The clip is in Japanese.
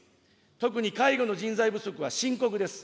特に、介護の人材不足は深刻です。